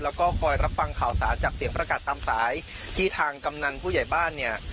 แล้วก็คอยรับฟังข่าวสารจากเสียงประกาศตามสายที่ทางกำนันผู้ใหญ่บ้านเนี่ย